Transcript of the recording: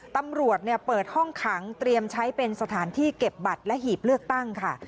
ตำรวจเปิดห้องขังเตรียมใช้เป็นสถานที่เก็บบัตรและหีบเลือกตั้งค่ะ